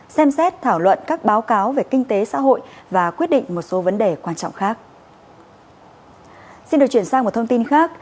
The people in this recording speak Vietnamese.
xem xét thảo luận các báo cáo về kinh tế xã hội và quyết định một số vấn đề quan trọng khác